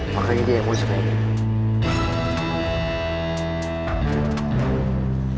makanya dia yang mulai suka dia